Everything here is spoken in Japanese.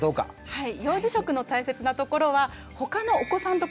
はい。